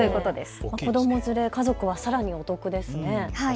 子ども連れ、家族はさらにお得ですね。